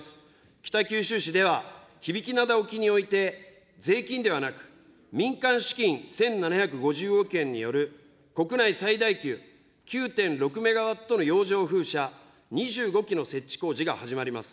北九州市では響灘沖において、税金ではなく、民間資金１７５０億円による国内最大級９．６メガワットの洋上風車２５基の設置工事が始まります。